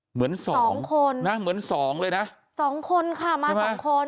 เหมือนสองคนนะเหมือนสองเลยนะสองคนค่ะมาสองคน